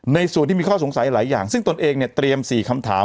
ส่วนที่มีข้อสงสัยหลายอย่างซึ่งตนเองเนี่ยเตรียม๔คำถาม